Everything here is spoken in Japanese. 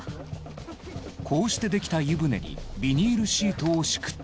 こうしてできた湯船にビニールシートを敷くと。